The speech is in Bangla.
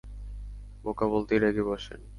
বোকা বলতেই, রেগে গেসেন।